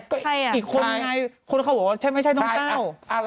ก็ใครห้องไงงั้นเขาบอกว่าใช่ไม่ใช่ต้องแต้วใคร